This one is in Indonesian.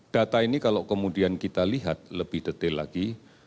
data ini kalau kemudian kita lihat lebih detail lagi